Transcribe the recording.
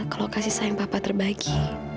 kalau kasih sayang papa terbagi